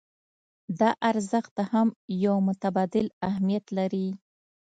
دا ارزښت هم يو متبادل اهميت لري.